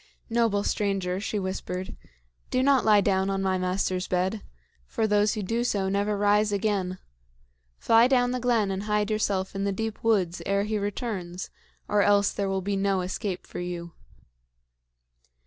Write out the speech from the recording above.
"Noble stranger," she whispered, "do not lie down on my master's bed, for those who do so never rise again. Fly down the glen and hide yourself in the deep woods ere he returns, or else there will be no escape for you."